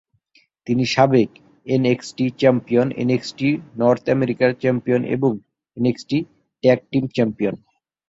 তিনি সাবেক NXT champion, NXT North American champion, এবং এনএক্সটি ট্যাগ টিম চ্যাম্পিয়ন।